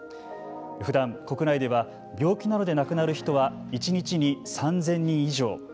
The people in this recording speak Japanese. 普段、国内では病気などで亡くなる人は１日に３０００人以上。